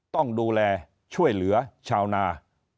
ต้องดูแลช่วยเหลือชาวนา